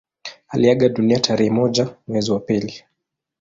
Aliaga dunia tarehe moja mwezi wa pili